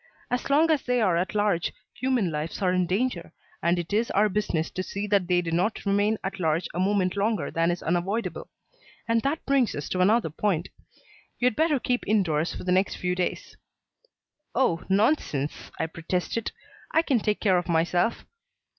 As long as they are at large, human lives are in danger, and it is our business to see that they do not remain at large a moment longer than is unavoidable. And that brings us to another point. You had better keep indoors for the next few days." "Oh, nonsense," I protested. "I can take care of myself."